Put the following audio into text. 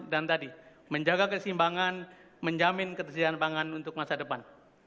dan tadi menjaga kesimbangan menjamin ketersediaan pangan untuk masa depan